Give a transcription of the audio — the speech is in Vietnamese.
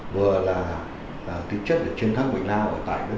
vừa là tính chất chiến thắng bệnh lào ở tại nước